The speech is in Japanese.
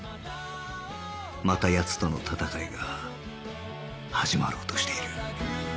また奴との戦いが始まろうとしている